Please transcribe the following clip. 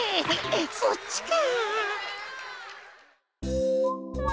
そっちか。